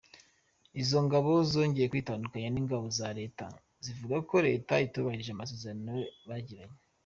Izo ngabo zongeye kwitandukanya n’ingabo za Leta, zivuga ko Leta itubahirije amasezerano bagiranye.